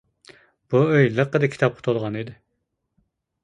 بۇ ئۆي لىققىدە كىتابقا تولغان ئىدى.